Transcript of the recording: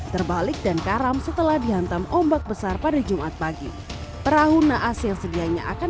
terbalik dan karam setelah dihantam ombak besar pada jumat pagi perahu naas yang sedianya akan